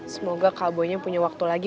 semoga kak boynya punya waktu lagi